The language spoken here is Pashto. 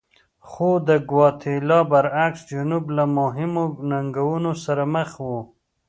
خو د ګواتیلا برعکس جنوب له مهمو ننګونو سره مخ و.